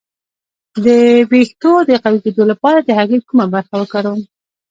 د ویښتو د قوي کیدو لپاره د هګۍ کومه برخه وکاروم؟